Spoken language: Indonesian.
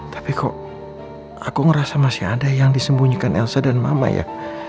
tapi kok aku ngerasa masih ada yang disembunyikan elsa dan mama ya